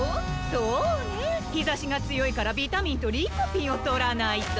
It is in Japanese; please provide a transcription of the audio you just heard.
そうね。ひざしがつよいからビタミンとリコピンをとらないと。